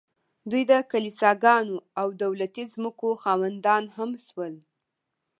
دوی د کلیساګانو او دولتي ځمکو خاوندان هم شول